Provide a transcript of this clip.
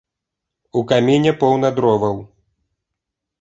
У каміне поўна дроваў.